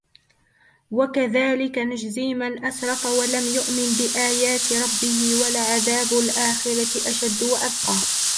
وكذلك نجزي من أسرف ولم يؤمن بآيات ربه ولعذاب الآخرة أشد وأبقى